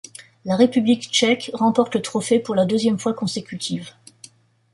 La République tchèque remporte le trophée pour la deuxième fois consécutive.